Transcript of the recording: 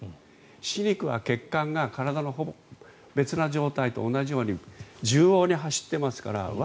歯肉は体の別な状態と同じように縦横に走っていますから。